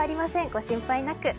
ご心配なく。